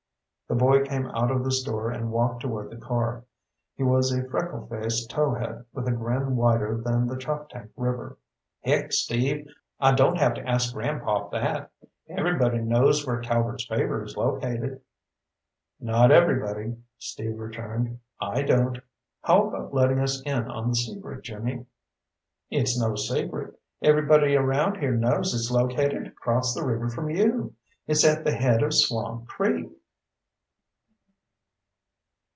The boy came out of the store and walked toward the car. He was a freckle faced towhead, with a grin wider than the Choptank River. "Heck, Steve, I don't have to ask gran'pop that. Everybody knows where Calvert's Favor is located." "Not everybody," Steve returned. "I don't. How about letting us in on the secret, Jimmy?" "It's no secret. Everybody around here knows it's located across the river from you. It's at the head of Swamp Creek."